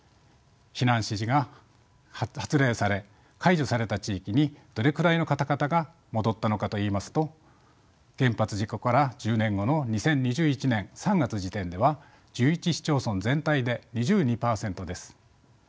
避難指示が発令され解除された地域にどれくらいの方々が戻ったのかといいますと原発事故から１０年後の２０２１年３月時点では１１市町村全体で２２％です。